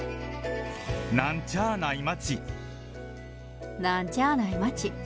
なんちゃあない町。